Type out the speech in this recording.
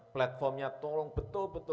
platformnya tolong betul betul